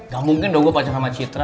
gak mungkin dong gue baca sama citra